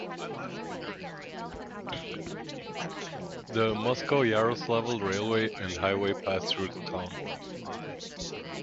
The Moscow-Yaroslavl railway and highway pass through the town.